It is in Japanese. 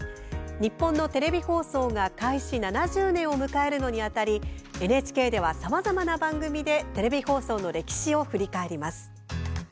日本のテレビ放送が開始７０年を迎えるのにあたりＮＨＫでは、さまざまな番組でテレビ放送の歴史を振り返ります。